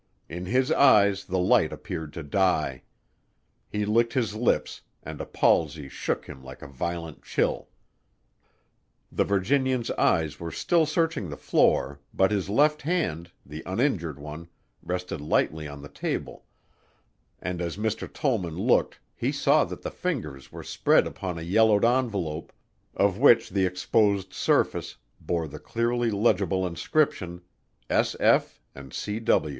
In his eyes the light appeared to die. He licked his lips and a palsy shook him like a violent chill. The Virginian's eyes were still searching the floor, but his left hand, the uninjured one rested lightly on the table, and as Mr. Tollman looked he saw that the fingers were spread upon a yellowed envelope, of which the exposed surface bore the clearly legible inscription "S. F. & C.